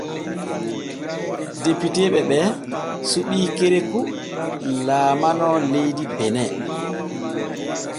Depiteeɓe ɓe suɓi Kerekou laalano leydi Bene.